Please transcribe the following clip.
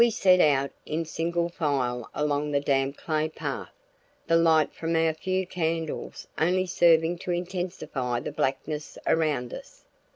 We set out in single file along the damp clay path, the light from our few candles only serving to intensify the blackness around us.